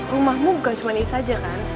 rumahmu bukan cuma ini saja kan